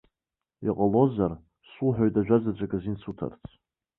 Иҟалозар, суҳәоит ажәазаҵәык азин суҭарц!